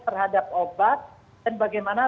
terhadap obat dan bagaimana